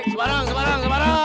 semarang semarang semarang